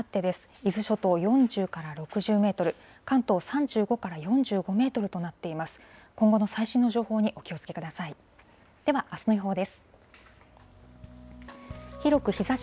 伊豆諸島４０から６０メートル、関東３５から４５メートルとなっています。